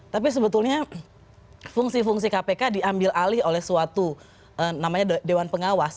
tapi sebetulnya fungsi fungsi kpk diambil alih oleh suatu namanya dewan pengawas